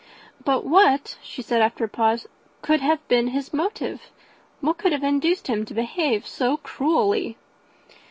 "But what," said she, after a pause, "can have been his motive? what can have induced him to behave so cruelly?"